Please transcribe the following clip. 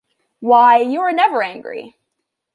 Why, you are never angry!